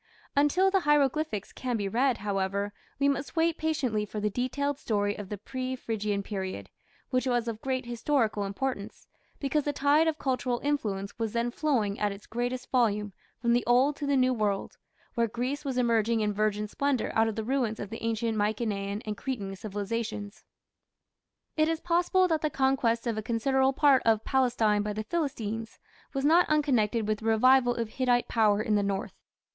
Until the hieroglyphics can be read, however, we must wait patiently for the detailed story of the pre Phrygian period, which was of great historical importance, because the tide of cultural influence was then flowing at its greatest volume from the old to the new world, where Greece was emerging in virgin splendour out of the ruins of the ancient Mykenaean and Cretan civilizations. It is possible that the conquest of a considerable part of Palestine by the Philistines was not unconnected with the revival of Hittite power in the north.